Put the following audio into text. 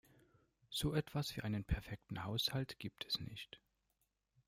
So etwas wie einen perfekten Haushalt gibt es nicht.